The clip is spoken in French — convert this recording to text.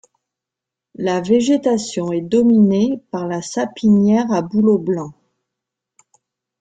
La végétation est dominée par la sapinière à bouleau blanc.